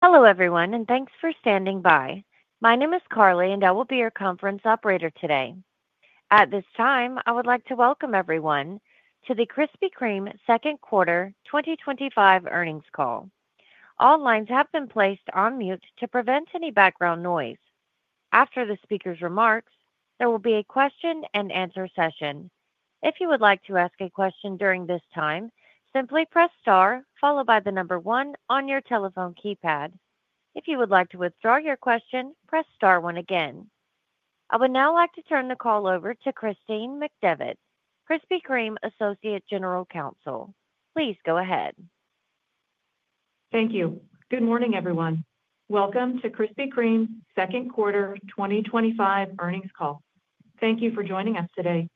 Hello, everyone, and thanks for standing by. My name is Carly, and I will be your conference operator today. At this time, I would like to welcome everyone to the Krispy Kreme Second Quarter 2025 Earnings Call. All lines have been placed on mute to prevent any background noise. After the speaker's remarks, there will be a question-and-answer session. If you would like to ask a question during this time, simply press star followed by the number one on your telephone keypad. If you would like to withdraw your question, press star one again. I would now like to turn the call over to Christine McDevitt, Krispy Kreme Associate General Counsel. Please go ahead. Thank you. Good morning, everyone. Welcome to Krispy Kreme's Second Quarter 2025 Earnings Call. Thank you for joining us today.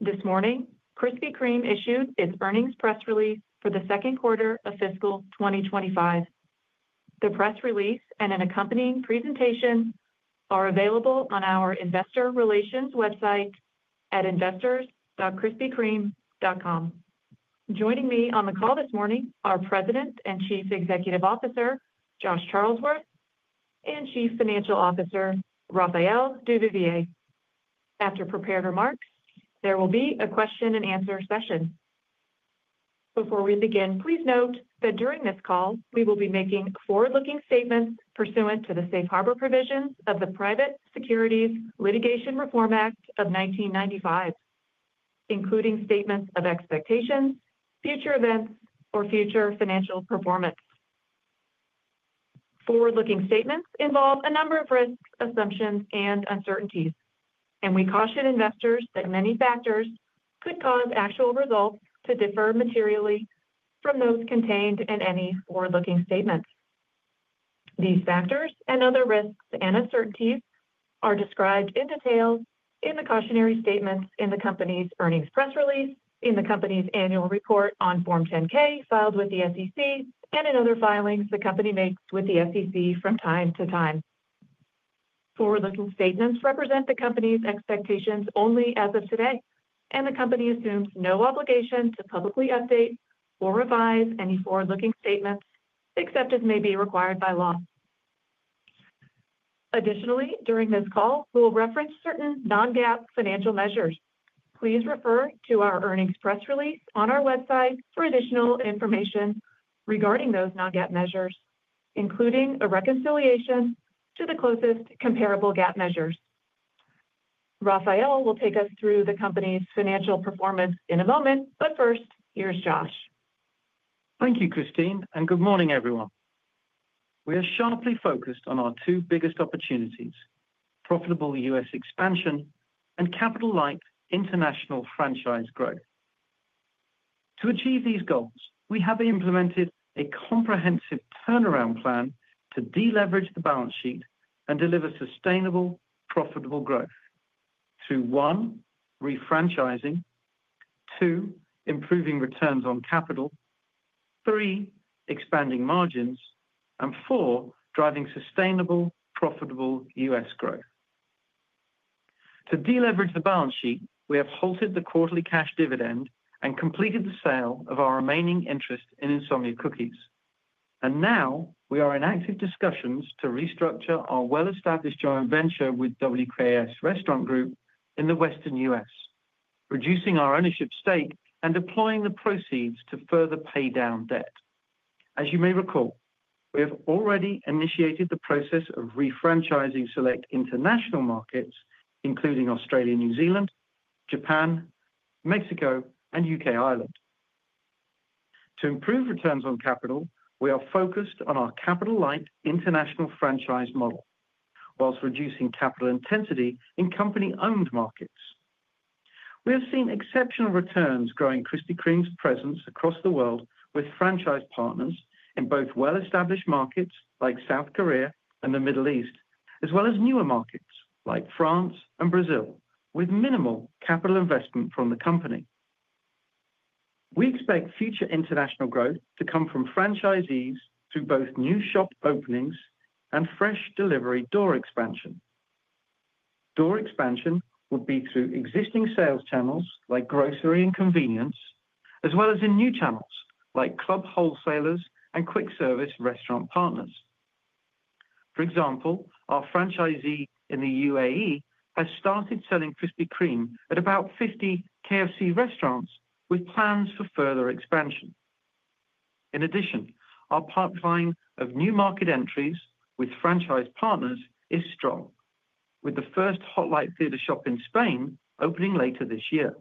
This morning, Krispy Kreme issued its earnings press release for the second quarter of fiscal 2025. The press release and an accompanying presentation are available on our investor relations website at investors.krispykreme.com. Joining me on the call this morning are President and Chief Executive Officer Josh Charlesworth and Chief Financial Officer Raphael Duvivier. After prepared remarks, there will be a question-and-answer session. Before we begin, please note that during this call, we will be making forward-looking statements pursuant to the Safe Harbor provisions of the Private Securities Litigation Reform Act of 1995, including statements of expectations, future events, or future financial performance. Forward-looking statements involve a number of risks, assumptions, and uncertainties, and we caution investors that many factors could cause actual results to differ materially from those contained in any forward-looking statements. These factors and other risks and uncertainties are described in detail in the cautionary statements in the company's earnings press release, in the company's annual report on Form 10-K filed with the SEC, and in other filings the company makes with the SEC from time to time. Forward-looking statements represent the company's expectations only as of today, and the company assumes no obligation to publicly update or revise any forward-looking statements except as may be required by law. Additionally, during this call, we will reference certain non-GAAP financial measures. Please refer to our earnings press release on our website for additional information regarding those non-GAAP measures, including a reconciliation to the closest comparable GAAP measures. Raphael will take us through the company's financial performance in a moment, but first, here's Josh. Thank you, Christine, and good morning, everyone. We are sharply focused on our two biggest opportunities: profitable U.S. expansion and capital-light international franchise growth. To achieve these goals, we have implemented a comprehensive turnaround plan to deleverage the balance sheet and deliver sustainable, profitable growth through one, refranchising, two, improving returns on capital, three, expanding margins, and four, driving sustainable, profitable U.S. growth. To deleverage the balance sheet, we have halted the quarterly cash dividend and completed the sale of our remaining interest in Insomnia Cookies. Now we are in active discussions to restructure our well-established joint venture with WKS Restaurant Group in the Western U.S., reducing our ownership stake and deploying the proceeds to further pay down debt. As you may recall, we have already initiated the process of refranchising select international markets, including Australia, New Zealand, Japan, Mexico, and the U.K. To improve returns on capital, we are focused on our capital-light international franchise model, while reducing capital intensity in company-owned markets. We have seen exceptional returns growing Krispy Kreme's presence across the world with franchise partners in both well-established markets like South Korea and the Middle East, as well as newer markets like France and Brazil, with minimal capital investment from the company. We expect future international growth to come from franchisees through both new shop openings and fresh delivery door expansion. Door expansion will be through existing sales channels like grocery and convenience, as well as in new channels like club wholesalers and quick service restaurant partners. For example, our franchisee in the UAE has started selling Krispy Kreme at about 50 KFC restaurants with plans for further expansion. In addition, our pipeline of new market entries with franchise partners is strong, with the first Hot Light Theater Shop in Spain opening later this year.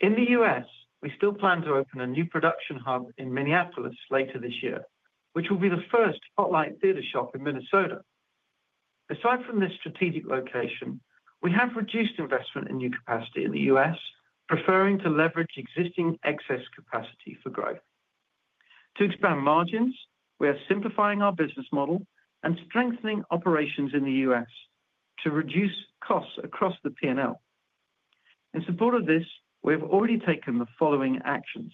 In the U.S., we still plan to open a new production hub in Minneapolis later this year, which will be the first Hot Light Theater Shop in Minnesota. Aside from this strategic location, we have reduced investment in new capacity in the U.S., preferring to leverage existing excess capacity for growth. To expand margins, we are simplifying our business model and strengthening operations in the U.S. to reduce costs across the P&L. In support of this, we have already taken the following actions.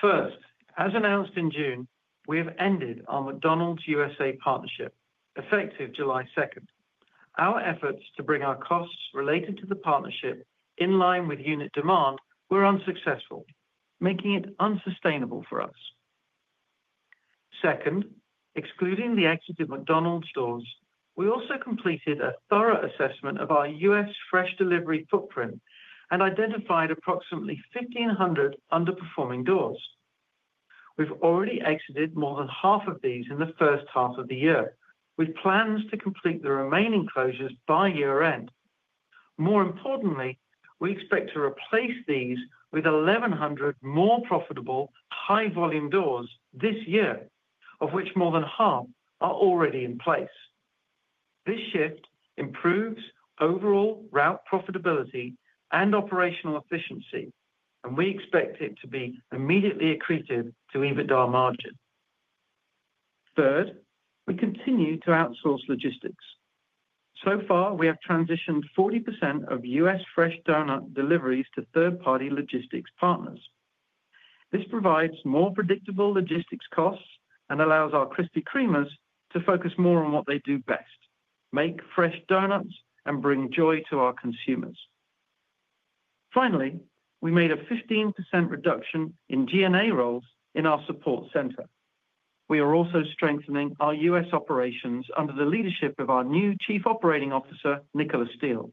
First, as announced in June, we have ended our McDonald's U.S.A. partnership effective July 2nd. Our efforts to bring our costs related to the partnership in line with unit demand were unsuccessful, making it unsustainable for us. Second, excluding the exited McDonald's doors, we also completed a thorough assessment of our U.S. fresh delivery footprint and identified approximately 1,500 underperforming doors. We've already exited more than half of these in the first half of the year, with plans to complete the remaining closures by year-end. More importantly, we expect to replace these with 1,100 more profitable, high-volume doors this year, of which more than half are already in place. This shift improves overall route profitability and operational efficiency, and we expect it to be immediately accretive to even our margin. Third, we continue to outsource logistics. So far, we have transitioned 40% of U.S. fresh doughnut deliveries to third-party logistics partners. This provides more predictable logistics costs and allows our Krispy Kremers to focus more on what they do best, make fresh doughnuts and bring joy to our consumers. Finally, we made a 15% reduction in G&A roles in our support center. We are also strengthening our U.S. operations under the leadership of our new Chief Operating Officer, Nicola Steele.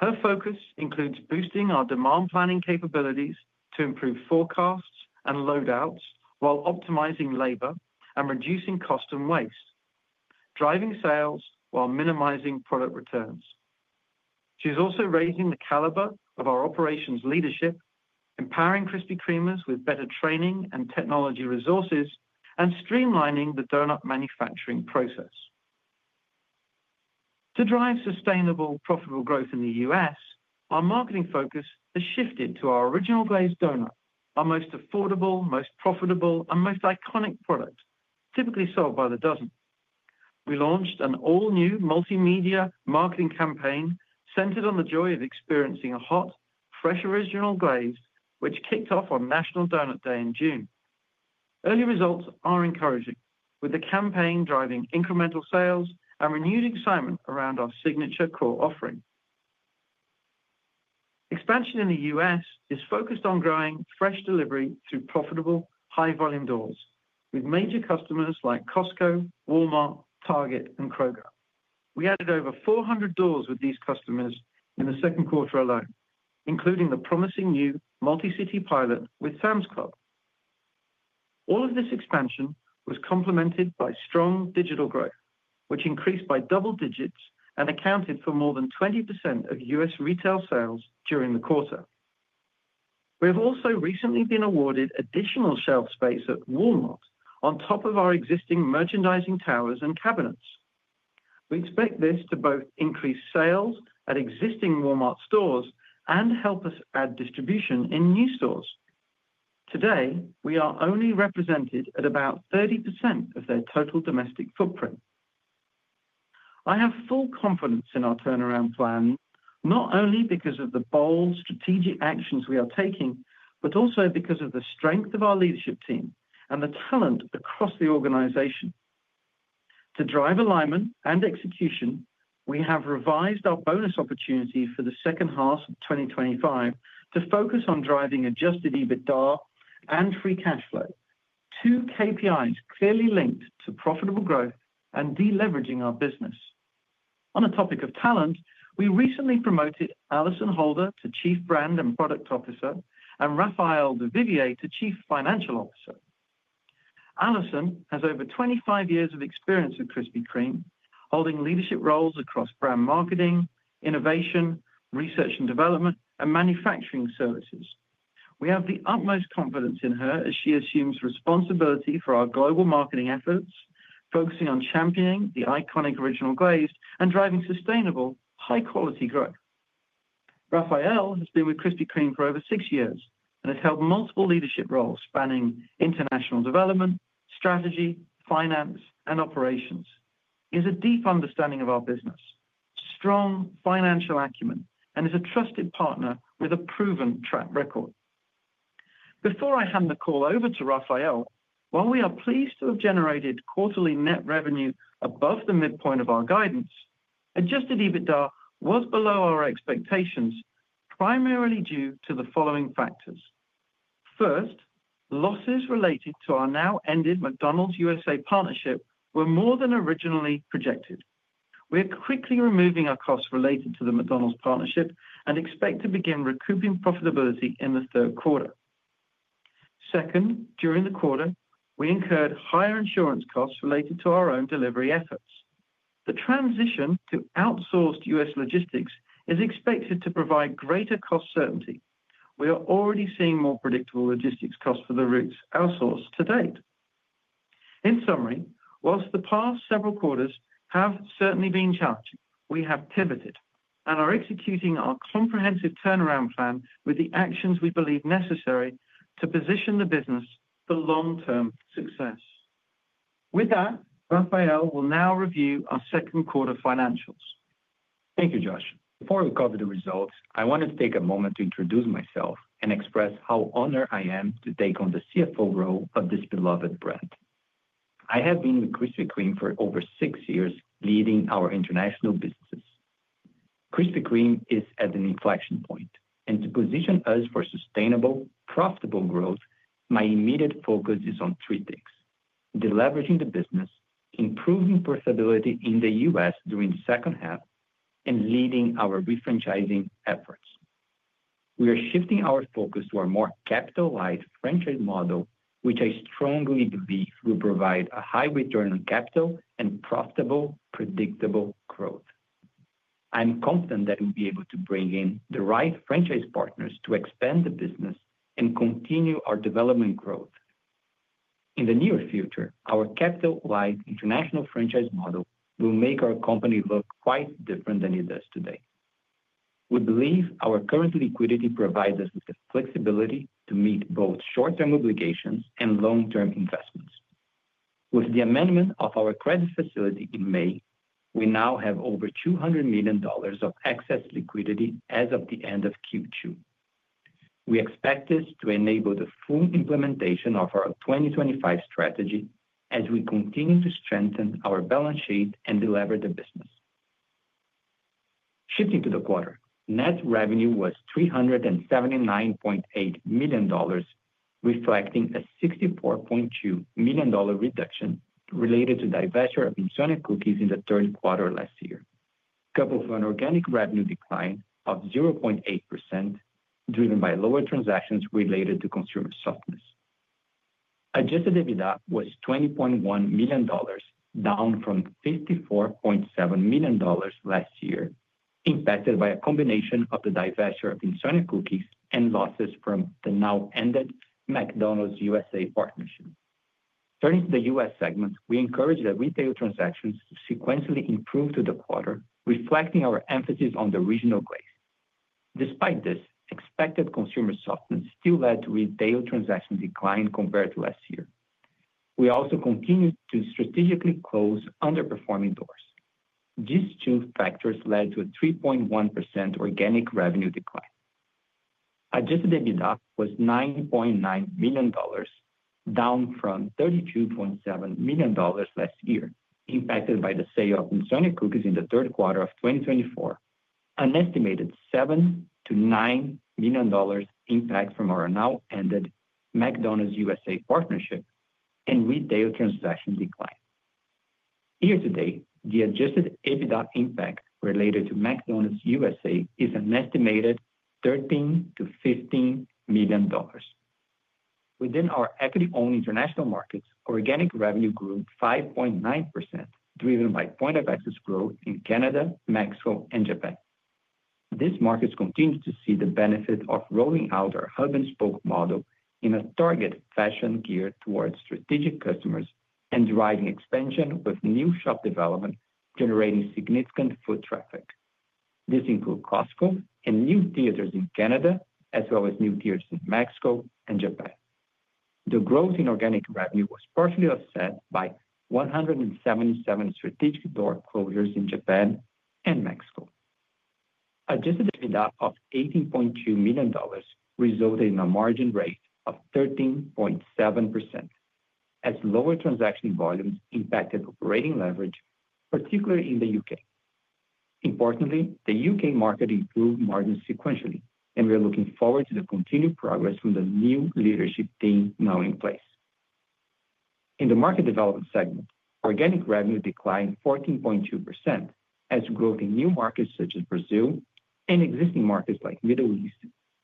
Her focus includes boosting our demand planning capabilities to improve forecasts and loadouts while optimizing labor and reducing costs and waste, driving sales while minimizing product returns. She's also raising the caliber of our operations leadership, empowering Krispy Kremers with better training and technology resources, and streamlining the doughnut manufacturing process. To drive sustainable, profitable growth in the U.S., our marketing focus has shifted to our Original Glazed doughnut, our most affordable, most profitable, and most iconic product, typically sold by the dozen. We launched an all-new multimedia marketing campaign centered on the joy of experiencing a hot, fresh Original Glazed, which kicked off on National Doughnut Day in June. Early results are encouraging, with the campaign driving incremental sales and renewed excitement around our signature core offering. Expansion in the U.S. is focused on growing fresh delivery through profitable, high-volume doors with major customers like Costco, Walmart, Target, and Kroger. We added over 400 doors with these customers in the second quarter alone, including the promising new multi-city pilot with Sam's Club. All of this expansion was complemented by strong digital growth, which increased by double digits and accounted for more than 20% of U.S. retail sales during the quarter. We have also recently been awarded additional shelf space at Walmart on top of our existing merchandising towers and cabinets. We expect this to both increase sales at existing Walmart stores and help us add distribution in new stores. Today, we are only represented at about 30% of their total domestic footprint. I have full confidence in our turnaround plan, not only because of the bold strategic actions we are taking, but also because of the strength of our leadership team and the talent across the organization. To drive alignment and execution, we have revised our bonus opportunity for the second half of 2025 to focus on driving adjusted EBITDA and free cash flow, two KPIs clearly linked to profitable growth and deleveraging our business. On a topic of talent, we recently promoted Alison Holder to Chief Brand and Product Officer and Raphael Duvivier to Chief Financial Officer. Alison has over 25 years of experience at Krispy Kreme, holding leadership roles across brand marketing, innovation, research and development, and manufacturing services. We have the utmost confidence in her as she assumes responsibility for our global marketing efforts, focusing on championing the iconic Original Glazed doughnut and driving sustainable, high-quality growth. Raphael has been with Krispy Kreme for over six years and has held multiple leadership roles spanning international development, strategy, finance, and operations. He has a deep understanding of our business, strong financial acumen, and is a trusted partner with a proven track record. Before I hand the call over to Raphael, while we are pleased to have generated quarterly net revenue above the midpoint of our guidance, adjusted EBITDA was below our expectations primarily due to the following factors. First, losses related to our now ended McDonald's U.S.A. partnership were more than originally projected. We are quickly removing our costs related to the McDonald's partnership and expect to begin recouping profitability in the third quarter. Second, during the quarter, we incurred higher insurance costs related to our own delivery efforts. The transition to outsourced U.S. logistics is expected to provide greater cost certainty. We are already seeing more predictable logistics costs for the routes outsourced to date. In summary, whilst the past several quarters have certainly been challenging, we have pivoted and are executing our comprehensive turnaround plan with the actions we believe necessary to position the business for long-term success. With that, Raphael will now review our second quarter financials. Thank you, Josh. Before we cover the results, I wanted to take a moment to introduce myself and express how honored I am to take on the CFO role of this beloved brand. I have been with Krispy Kreme for over six years, leading our international business. Krispy Kreme is at an inflection point, and to position us for sustainable, profitable growth, my immediate focus is on three things, deleveraging the business, improving profitability in the U.S. during the second half, and leading our refranchising efforts. We are shifting our focus to our more capital-light franchise model, which I strongly believe will provide a high return on capital and profitable, predictable growth. I'm confident that we'll be able to bring in the right franchise partners to expand the business and continue our development growth. In the near future, our capital-light international franchise model will make our company look quite different than it does today. We believe our current liquidity provides us with the flexibility to meet both short-term obligations and long-term investments. With the amendment of our credit facility in May, we now have over $200 million of excess liquidity as of the end of Q2. We expect this to enable the full implementation of our 2025 strategy as we continue to strengthen our balance sheet and deliver the business. Shifting to the quarter, net revenue was $379.8 million, reflecting a $64.2 million reduction related to the divestiture of Insomnia Cookies in the third quarter last year, coupled with an organic revenue decline of 0.8%, driven by lower transactions related to consumer softness. Adjusted EBITDA was $20.1 million, down from $54.7 million last year, impacted by a combination of the divestiture of Insomnia Cookies and losses from the now ended McDonald's USA partnership. Turning to the U.S. segment, we encouraged the retail transactions to sequentially improve through the quarter, reflecting our emphasis on the regional glaze. Despite this, expected consumer softness still led to retail transaction decline compared to last year. We also continue to strategically close underperforming doors. These two factors led to a 3.1% organic revenue decline. Adjusted EBITDA was $9.9 million, down from $32.7 million last year, impacted by the sale of Insomnia Cookies in the third quarter of 2024, an estimated $7 million-$9 million impact from our now ended McDonald's USA partnership and retail transaction decline. Here today, the adjusted EBITDA impact related to McDonald's USA is an estimated $13 million-$15 million. Within our equity-owned international markets, organic revenue grew 5.9%, driven by point of excess growth in Canada, Mexico, and Japan. These markets continue to see the benefit of rolling out our hub and spoke model in a target fashion geared towards strategic customers and driving expansion with new shop development generating significant foot traffic. This includes Costco and new theaters in Canada, as well as new theaters in Mexico and Japan. The growth in organic revenue was partially offset by 177 strategic door closures in Japan and Mexico. Adjusted EBITDA of $18.2 million resulted in a margin rate of 13.7%, as lower transaction volumes impacted operating leverage, particularly in the U.K. Importantly, the U.K. market improved margins sequentially, and we are looking forward to the continued progress from the new leadership team now in place. In the market development segment, organic revenue declined 14.2%, as growth in new markets such as Brazil and existing markets like the Middle East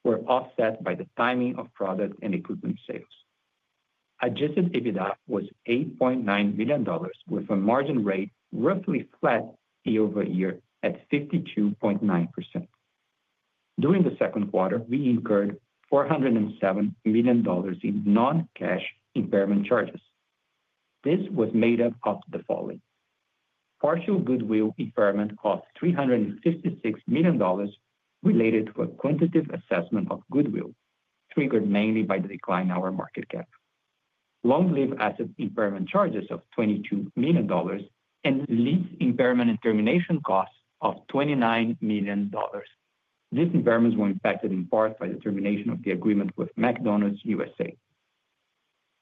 were offset by the timing of product and equipment sales. Adjusted EBITDA was $8.9 million, with a margin rate roughly flat year-over-year at 52.9%. During the second quarter, we incurred $407 million in non-cash impairment charges. This was made up of the following, partial goodwill impairment of $356 million related to a quantitative assessment of goodwill, triggered mainly by the decline in our market cap, long-lived asset impairment charges of $22 million, and lease impairment and termination costs of $29 million. These impairments were impacted in part by the termination of the agreement with McDonald's U.S.A.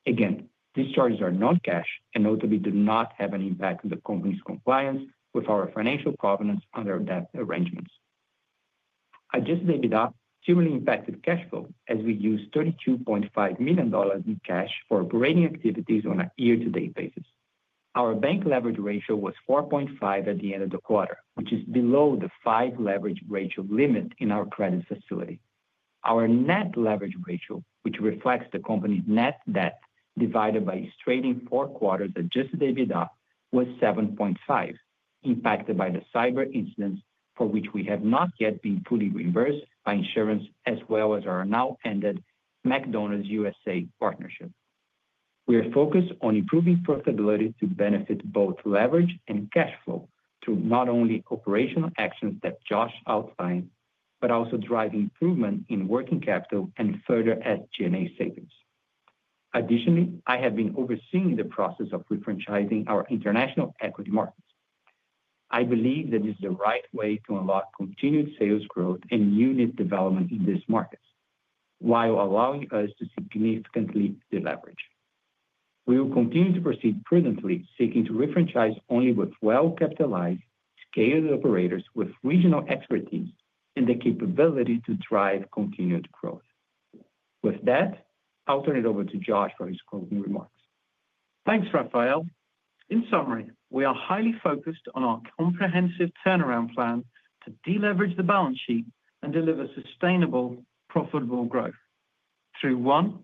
Again, these charges are non-cash and notably do not have an impact on the company's compliance with our financial provenance under debt arrangements. Adjusted EBITDA similarly impacted cash flow, as we used $32.5 million in cash for operating activities on a year-to-date basis. Our bank leverage ratio was 4.5% at the end of the quarter, which is below the 5 leverage ratio limit in our credit facility. Our net leverage ratio, which reflects the company's net debt divided by its trailing four quarters' adjusted EBITDA, was 7.5%, impacted by the cyber incidents for which we have not yet been fully reimbursed by insurance, as well as our now ended McDonald's U.S.A. partnership. We are focused on improving profitability to benefit both leverage and cash flow through not only operational actions that Josh outlined, but also driving improvement in working capital and further at G&A savings. Additionally, I have been overseeing the process of refranchising our international equity markets. I believe that it is the right way to unlock continued sales growth and unit development in these markets, while allowing us to significantly deleverage. We will continue to proceed prudently, seeking to refranchise only with well-capitalized, scaled operators with regional expertise and the capability to drive continued growth. With that, I'll turn it over to Josh for his closing remarks. Thanks, Raphael. In summary, we are highly focused on our comprehensive turnaround plan to deleverage the balance sheet and deliver sustainable, profitable growth through one,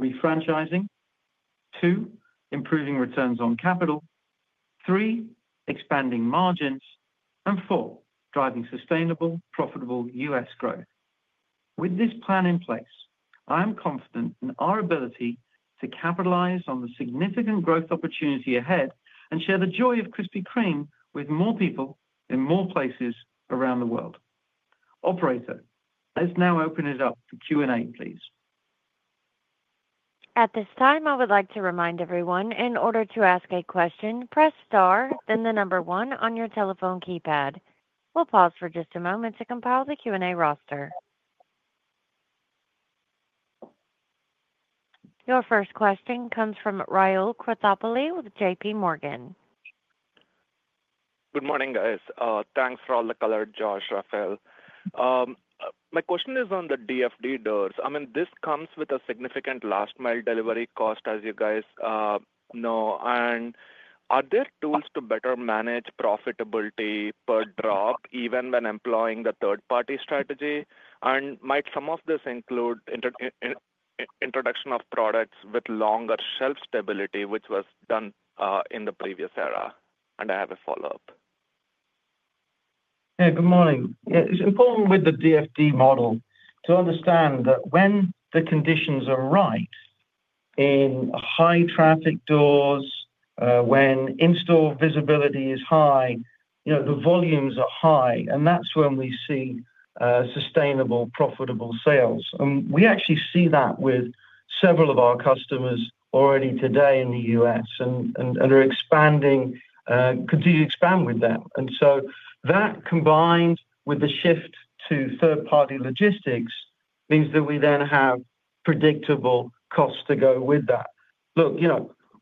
refranchising, two, improving returns on capital, three, expanding margins, and four, driving sustainable, profitable U.S. growth. With this plan in place, I am confident in our ability to capitalize on the significant growth opportunity ahead and share the joy of Krispy Kreme with more people in more places around the world. Operator, let's now open it up for Q&A, please. At this time, I would like to remind everyone, in order to ask a question, press star, then the number one on your telephone keypad. We'll pause for just a moment to compile the Q&A roster. Your first question comes from Rahul Krotthapalli with JPMorgan. Good morning, guys. Thanks for all the color, Josh, Raphael. My question is on the DFD doors. This comes with a significant last-mile delivery cost, as you guys know. Are there tools to better manage profitability per drop, even when employing the third-party strategy? Might some of this include introduction of products with longer shelf stability, which was done in the previous era? I have a follow-up. Good morning. It's important with the DFD model to understand that when the conditions are right in high-traffic doors, when in-store visibility is high, the volumes are high, and that's when we see sustainable, profitable sales. We actually see that with several of our customers already today in the U.S. and are continuing to expand with them. That, combined with the shift to third-party logistics, means that we then have predictable costs to go with that.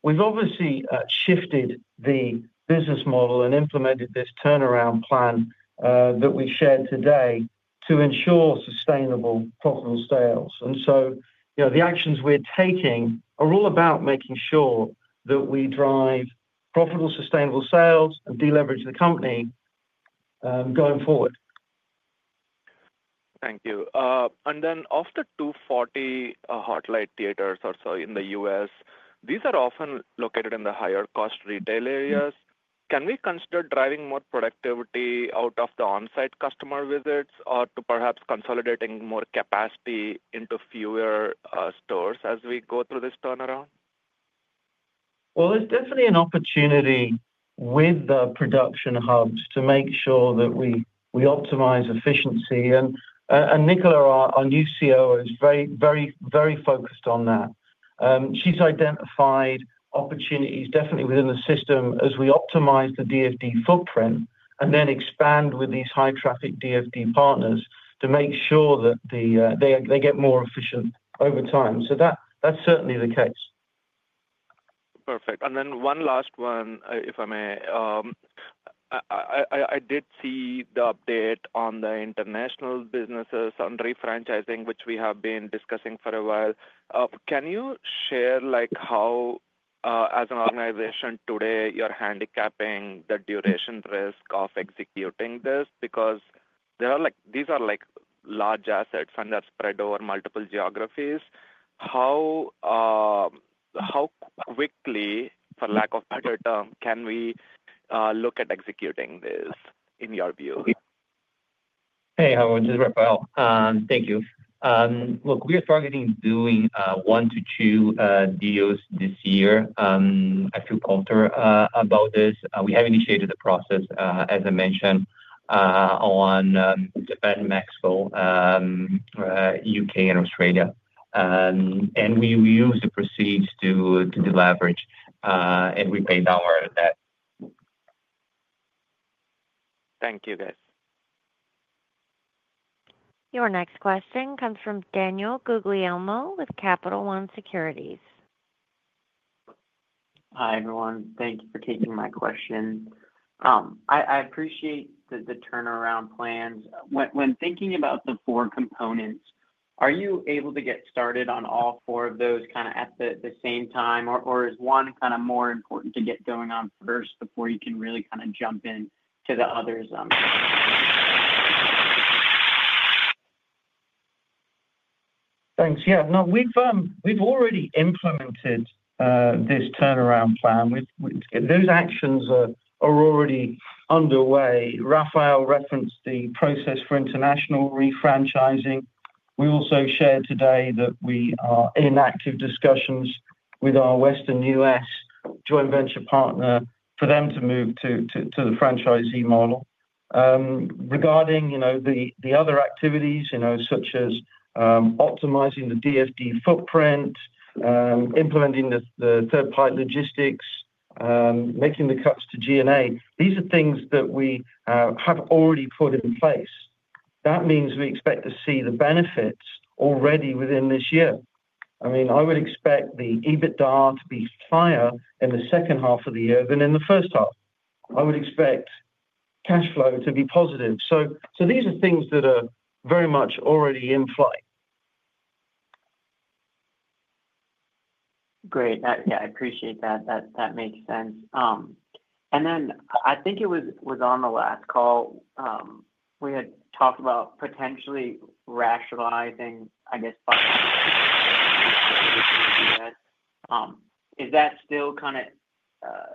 We've obviously shifted the business model and implemented this turnaround plan that we've shared today to ensure sustainable, profitable sales. The actions we're taking are all about making sure that we drive profitable, sustainable sales and deleverage the company going forward. Thank you. Of the 240 Hot Light Theaters or so in the U.S., these are often located in the higher-cost retail areas. Can we consider driving more productivity out of the onsite customer visits or perhaps consolidating more capacity into fewer stores as we go through this turnaround? There is definitely an opportunity with the production hubs to make sure that we optimize efficiency. Nicola, our new COO, is very focused on that. She's identified opportunities definitely within the system as we optimize the DFD footprint and then expand with these high-traffic DFD partners to make sure that they get more efficient over time. That is certainly the case. Perfect. One last one, if I may. I did see the update on the international businesses on refranchising, which we have been discussing for a while. Can you share how, as an organization today, you're handicapping the duration risk of executing this? These are large assets and they're spread over multiple geographies. How quickly, for lack of a better term, can we look at executing this in your view? Hey, how are you? This is Raphael. Thank you. Look, we are targeting doing one to two deals this year. I feel confident about this. We have initiated the process, as I mentioned, on Japan, Mexico, U.K., and Australia. We will use the proceeds to deleverage and repay downward debt. Thank you, guys. Your next question comes from Daniel Guglielmo with Capital One Securities. Hi, everyone. Thank you for taking my question. I appreciate the turnaround plans. When thinking about the four components, are you able to get started on all four of those at the same time, or is one more important to get going on first before you can really jump in to the others? Thanks. We've already implemented this turnaround plan. Those actions are already underway. Raphael referenced the process for international refranchising. We also shared today that we are in active discussions with our Western U.S. joint venture partner for them to move to the franchise model. Regarding the other activities, such as optimizing the DFD footprint, implementing the third-party logistics, making the cuts to G&A, these are things that we have already put in place. That means we expect to see the benefits already within this year. I would expect the EBITDA to be higher in the second half of the year than in the first half. I would expect cash flow to be positive. These are things that are very much already in play. Great. I appreciate that. That makes sense. I think it was on the last call, we had talked about potentially rationalizing, I guess, if you had. Is that still kind of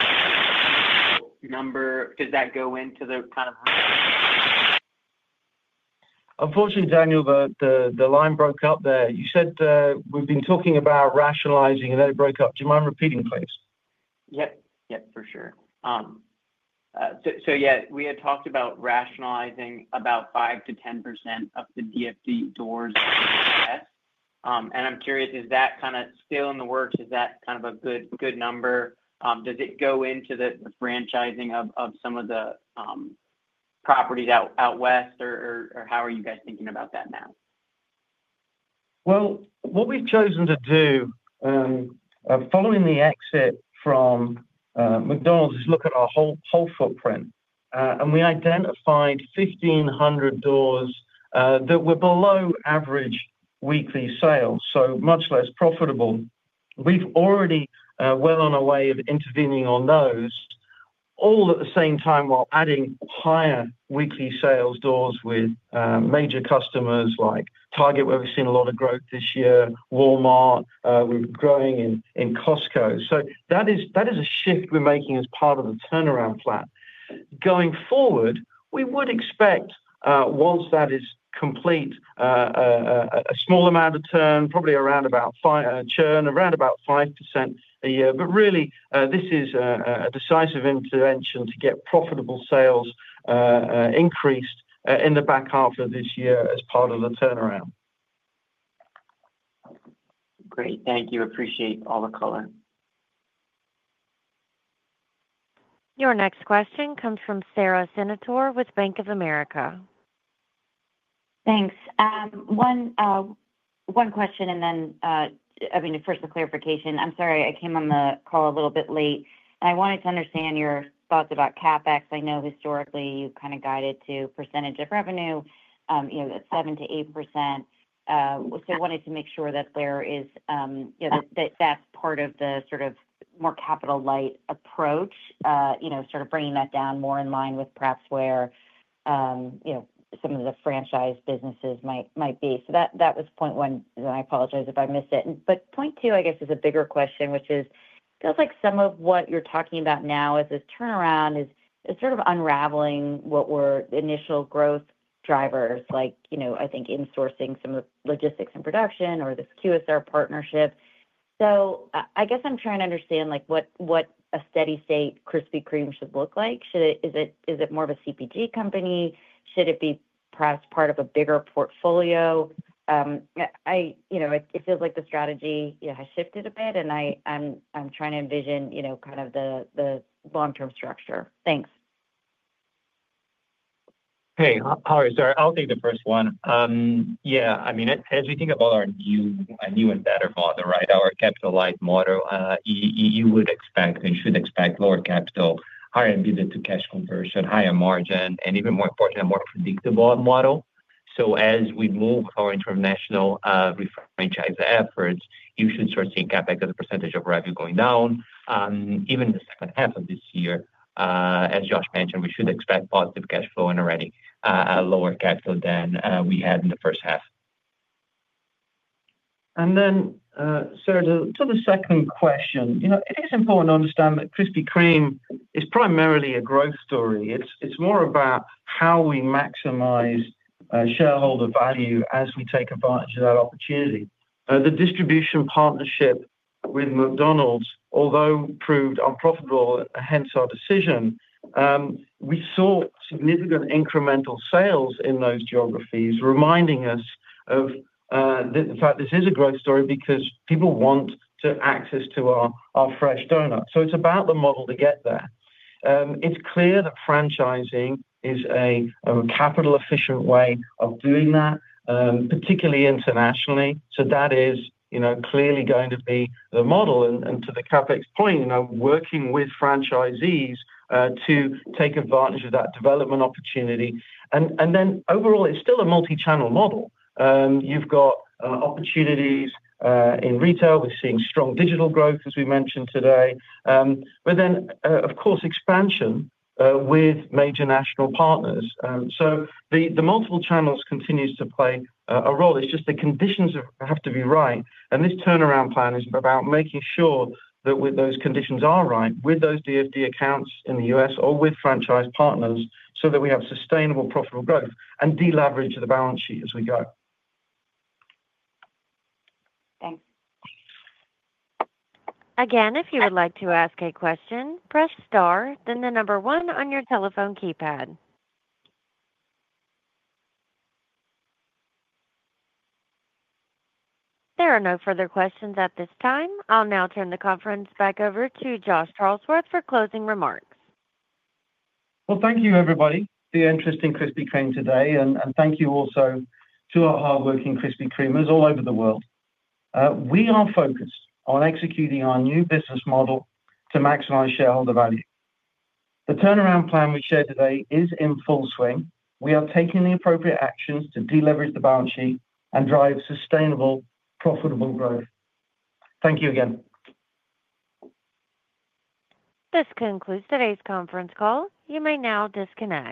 a number? Does that go into there kind of? Unfortunately, Daniel, the line broke up there. You said we've been talking about rationalizing, and then it broke up. Do you mind repeating, please? Yep, for sure. We had talked about rationalizing about 5%-10% of the DFD doors in the U.S., and I'm curious, is that kind of still in the works? Is that kind of a good number? Does it go into the franchising of some of the properties out west, or how are you guys thinking about that now? What we've chosen to do, following the exit from McDonald's, is look at our whole footprint. We identified 1,500 doors that were below average weekly sales, so much less profitable. We're already well on our way of intervening on those, all at the same time while adding higher weekly sales doors with major customers like Target, where we've seen a lot of growth this year, Walmart, and we're growing in Costco. That is a shift we're making as part of the turnaround plan. Going forward, we would expect, once that is complete, a small amount of churn, probably around 5% a year. This is a decisive intervention to get profitable sales increased in the back half of this year as part of the turnaround. Great. Thank you. Appreciate all the color. Your next question comes from Sarah Senatore with Bank of America. Thanks. One question, and then, first a clarification. I'm sorry, I came on the call a little bit late, and I wanted to understand your thoughts about CapEx. I know historically you kind of guided to percentage of revenue, you know, 7%-8%. I wanted to make sure that that's part of the sort of more capital-light approach, bringing that down more in line with perhaps where some of the franchise businesses might be. That was point one, and I apologize if I missed it. Point two, I guess, is a bigger question, which is, it sounds like some of what you're talking about now as this turnaround is unraveling what were initial growth drivers, like, I think insourcing some of the logistics and production or this QSR partnership. I guess I'm trying to understand what a steady-state Krispy Kreme should look like. Is it more of a CPG company? Should it be perhaps part of a bigger portfolio? It feels like the strategy has shifted a bit, and I'm trying to envision the long-term structure. Thanks. Hey, how are you, sir? I'll take the first one. As we think about our new and better model, our capital-light model, you would expect and should expect lower capital, higher NB to cash conversion, higher margin, and even more important, a more predictable model. As we move our international refranchising efforts, you should start seeing CapEx as a percentage of revenue going down. Even in the second half of this year, as Josh mentioned, we should expect positive cash flow and already lower capital than we had in the first half. To the second question, I think it's important to understand that Krispy Kreme is primarily a growth story. It's more about how we maximize shareholder value as we take advantage of that opportunity. The distribution partnership with McDonald's, although proved unprofitable, hence our decision, we saw significant incremental sales in those geographies, reminding us of the fact this is a growth story because people want access to our fresh doughnut. It's about the model to get there. It's clear that franchising is a capital-efficient way of doing that, particularly internationally. That is clearly going to be the model. To the CapEx point, working with franchisees to take advantage of that development opportunity. Overall, it's still a multi-channel model. You've got opportunities in retail. We're seeing strong digital growth, as we mentioned today. Of course, expansion with major national partners. The multiple channels continue to play a role. The conditions have to be right. This turnaround plan is about making sure that those conditions are right with those DFD accounts in the U.S. or with franchise partners so that we have sustainable, profitable growth and deleverage the balance sheet as we go. Thanks. Again, if you would like to ask a question, press star, then the number one on your telephone keypad. There are no further questions at this time. I'll now turn the conference back over to Josh Charlesworth for closing remarks. Thank you, everybody, for your interest in Krispy Kreme today. Thank you also to our hardworking Krispy Kremers all over the world. We are focused on executing our new business model to maximize shareholder value. The turnaround plan we shared today is in full swing. We are taking the appropriate actions to deleverage the balance sheet and drive sustainable, profitable growth. Thank you again. This concludes today's conference call. You may now disconnect.